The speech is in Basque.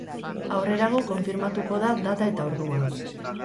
Aurrerago konfirmatuko da data eta ordua.